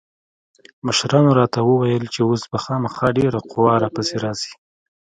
مشرانو راته وويل چې اوس به خامخا ډېره قوا را پسې راسي.